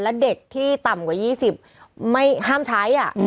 แล้วเด็กที่ต่ำกว่า๒๐ไม่ห้ามใช้